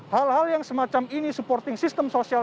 hal hal yang semacam ini supporting system sosial